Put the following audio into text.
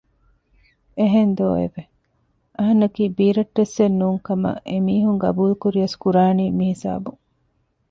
އެހެންދޯ އެވެ! އަހަންނަކީ ބީރައްޓެއްސެން ނޫން ކަމަށް އެމީހުން ގަބޫލުކުރިޔަސް ކުރާނީ މިހިސާބުން